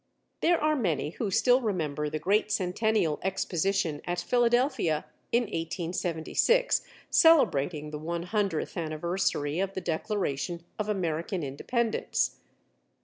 There are many who still remember the great Centennial Exposition at Philadelphia in 1876, celebrating the one hundredth anniversary of the declaration of American Independence.